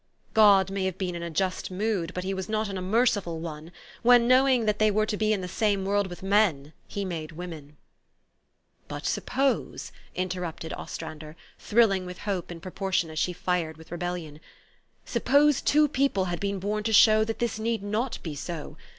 God may have been in a just mood, but he was not in a merciful one, when, knowing that they were to be in the same world with men, he made women," "But suppose," interrupted Ostrander, thrilling with hope in proportion as she fired with rebellion, " suppose two people had been born to show that this need not be so.